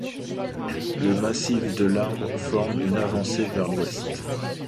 Le massif de l'Arbre forme une avancée vers l'ouest.